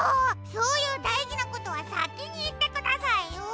そういうだいじなことはさきにいってくださいよ。